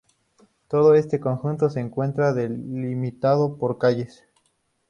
Todo este conjunto se encuentra delimitado por calles.